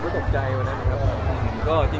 ทุกคนบอกว่าเย็นคนตกใจเพราะแม่เองน้องจอง